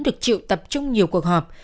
được chịu tập trung nhiều cuộc họp